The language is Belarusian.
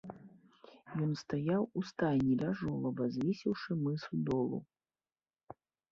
Ён стаяў у стайні ля жолаба, звесіўшы мысу долу.